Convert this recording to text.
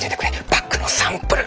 バッグのサンプル。